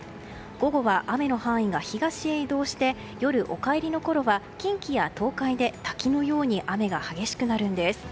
午後は雨の範囲が東へ移動して夜、お帰りのころは近畿や東海で滝のように雨が激しくなるんです。